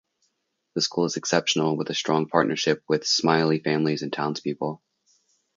The school is exceptional with a strong partnership with Smilie families and Townspeople.